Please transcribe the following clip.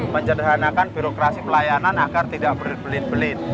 menyederhanakan birokrasi pelayanan agar tidak berbelit belit